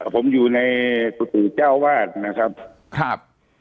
ผมอยู่ในกุฏิจ้าวาสนะครับ